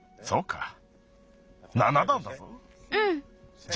そうか。